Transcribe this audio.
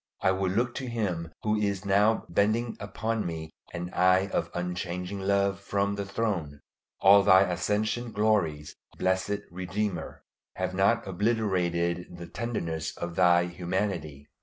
I would look to Him who is now bending upon me an eye of unchanging love from the throne. All Thy ascension glories, blessed Redeemer, have not obliterated the tenderness of Thy humanity.